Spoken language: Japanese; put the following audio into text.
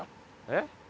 えっ？